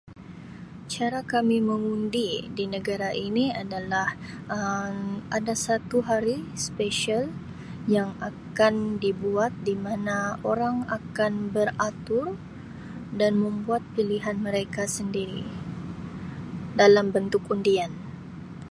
"Cara kami mengundi di negara ini adalah Um ada satu hari ""special"" yang akan dibuat di mana orang akan beratur dan membuat pilihan mereka sendiri dalam bentuk undian."